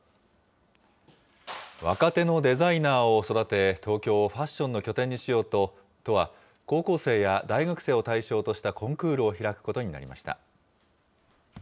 若手のデザイナーを育て、東京をファッションの拠点にしようと、都は、高校生や大学生を対象としたコンクールを開くことになりました。